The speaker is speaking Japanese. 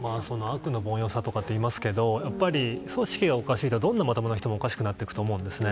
悪の凡庸さとか言いますけど組織がおかしいとまともな人もおかしくなると思うんですね。